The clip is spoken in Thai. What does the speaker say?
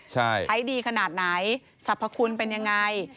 ใช้ดีขนาดไหนสรรพคุณเป็นยังไง